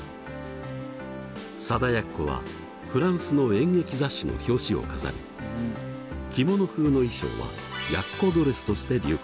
貞奴はフランスの演劇雑誌の表紙を飾り着物風の衣装はＹＡＣＣＯドレスとして流行。